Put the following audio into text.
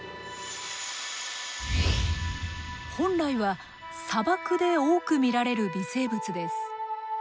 本来は砂漠で多く見られる微生物です。